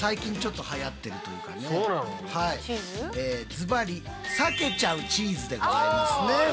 ずばりさけちゃうチーズでございますね。